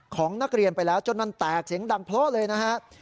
ของนักเรียนไปแล้วจนมันแตกเสียงดังเพราะเลยนะครับ